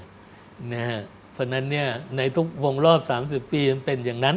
เพราะฉะนั้นในทุกวงรอบ๓๐ปีมันเป็นอย่างนั้น